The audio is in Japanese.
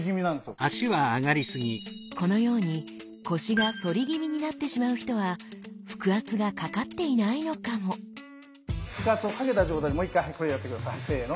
このように腰が反り気味になってしまう人は腹圧がかかっていないのかもせの。